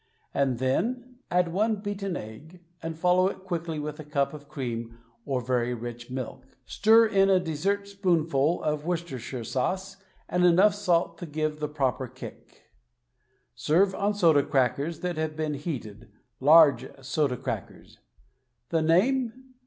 And then — Add one beaten egg, and follow it quickly with a cup of cream or very rich milk. Stir in a dessertspoonful of Worcestershire Sauce, and enough salt to give the proper kick. Serve on soda crackers that have been heated — ^large soda crackers. The name?